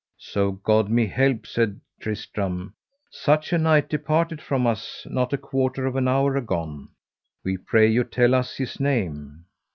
So God me help, said Tristram, such a knight departed from us not a quarter of an hour agone; we pray you tell us his name.